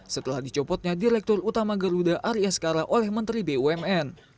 setelah dicopotnya direktur utama garuda arya skara oleh menteri bumn